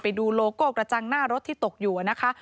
โลโก้กระจังหน้ารถที่ตกอยู่นะคะ